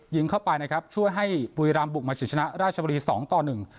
ยิงเข้าไปนะครับช่วยให้บุรีรามบุกมาฉีดชนะราชบุรีสองต่อหนึ่ง